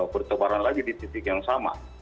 bertebaran lagi di titik yang sama